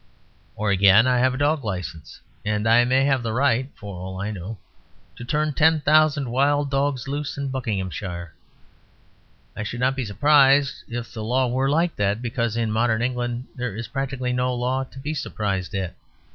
Or, again, I have a dog license; and I may have the right (for all I know) to turn ten thousand wild dogs loose in Buckinghamshire. I should not be surprised if the law were like that; because in modern England there is practically no law to be surprised at.